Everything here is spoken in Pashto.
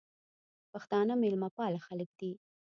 پښتانه میلمه پاله خلک دي